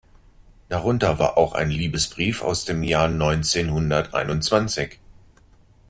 Darunter war auch ein Liebesbrief aus dem Jahr neunzehnhunderteinundzwanzig.